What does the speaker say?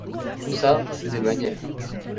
Tout ça, c'est des manières.